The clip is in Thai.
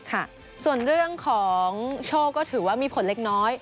ค่ะส่วนเรื่องของโชคก็ถือว่ามีผลเล็กน้อย